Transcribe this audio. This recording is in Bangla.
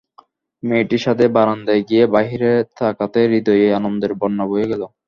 মেয়েটির সাথে বারান্দায় গিয়ে বাহিরে তাকাতেই হৃদয়ে আনন্দের বন্যা বয়ে গেল।